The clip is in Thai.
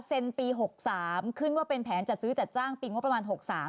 ปี๖๓ขึ้นว่าเป็นแผนจัดซื้อจัดจ้างปีงบประมาณ๖๓